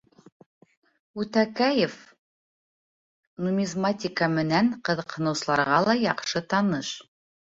Үтәкәев нумизматика менән ҡыҙыҡһыныусыларға ла яҡшы таныш.